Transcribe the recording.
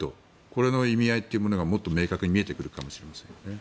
この意味合いというものがもっと明確に見えてくるかもしれません。